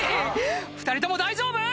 ２人とも大丈夫？